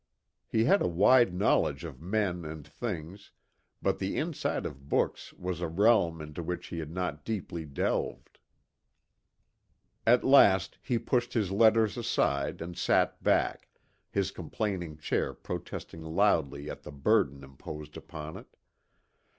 He had a wide knowledge of men and things, but the inside of books was a realm into which he had not deeply delved. At last he pushed his letters aside and sat back, his complaining chair protesting loudly at the burden imposed upon it.